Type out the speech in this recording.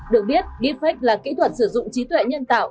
được biết deepfake là kỹ thuật sử dụng trí tuệ nhân tạo